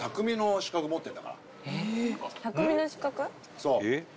そう。